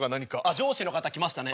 上司の方来ましたね。